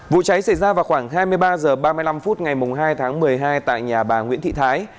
vụ cháy xảy ra vào khoảng hai mươi ba h ba mươi năm phút ngày hai tháng một mươi hai tại nhà bà nguyễn thị thái